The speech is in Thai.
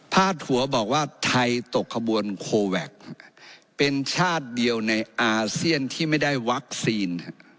หัวบอกว่าไทยตกขบวนโคแวคเป็นชาติเดียวในอาเซียนที่ไม่ได้วัคซีน